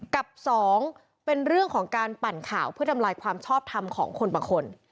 กับสองเป็นเรื่องของการปั่นข่าวเพื่อทำลายความชอบทำของคนบางคน